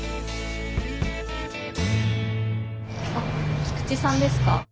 あっ菊池さんですか？